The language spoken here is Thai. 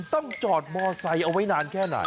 ต้องจอดมอไซค์เอาไว้นานแค่ไหน